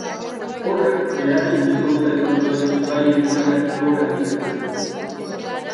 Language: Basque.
Horrek eragin bikoitza izan zuen ibaien mailak gora egitean.